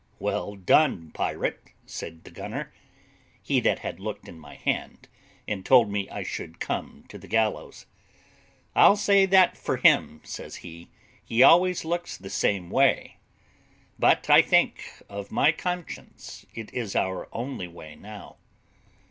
"Well done, pirate," said the gunner (he that had looked in my hand, and told me I should come to the gallows), "I'll say that for him," says he, "he always looks the same way. But I think, of my conscience, it is our only way now."